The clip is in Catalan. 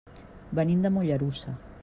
Venim de Mollerussa.